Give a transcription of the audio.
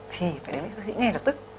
thì phải đến với cơ sĩ nghe lập tức